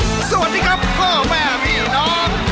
สวัสดีครับพ่อแม่พี่น้อง